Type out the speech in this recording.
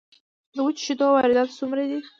د وچو شیدو واردات څومره دي؟